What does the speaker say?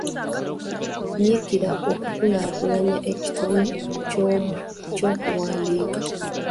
Nyiikira okukulaakulanya ekitone ky'okuwandiika.